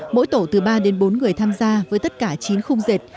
mỗi tổ từ ba đến bốn người tham gia với tất cả chín khung dệt